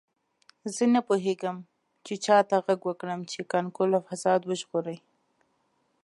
زه نه پوهیږم چې چا ته غږ وکړم چې کانکور له فساد وژغوري